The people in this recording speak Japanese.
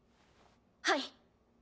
はい。